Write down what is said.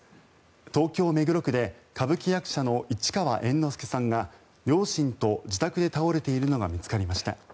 東京・目黒区で歌舞伎役者の市川猿之助さんが両親と自宅で倒れているのが見つかりました。